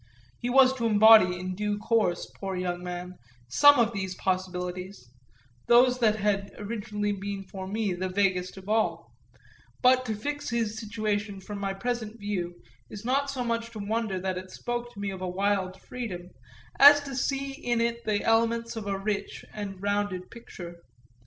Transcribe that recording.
He was to embody in due course, poor young man, some of these possibilities those that had originally been for me the vaguest of all; but to fix his situation from my present view is not so much to wonder that it spoke to me of a wild freedom as to see in it the elements of a rich and rounded picture.